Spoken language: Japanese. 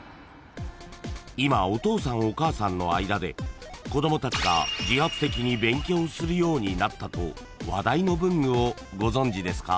［今お父さんお母さんの間で子供たちが自発的に勉強するようになったと話題の文具をご存じですか？］